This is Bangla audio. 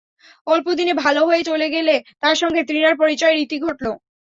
অল্প দিনে ভালো হয়ে চলে গেলে তার সঙ্গে তৃণার পরিচয়ের ইতি ঘটল।